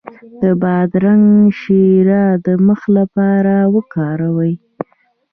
د بادرنګ شیره د مخ لپاره وکاروئ